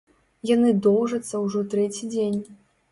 Яны доўжацца ўжо трэці дзень.